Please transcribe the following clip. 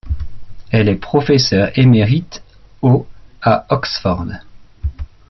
Elle est professeur émérite au à Oxford.